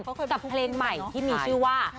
กับเพลงใหม่ที่มีชื่อว่า